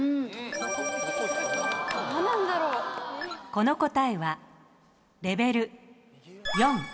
この答えはレベル４。